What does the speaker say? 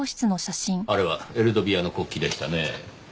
あれはエルドビアの国旗でしたねぇ。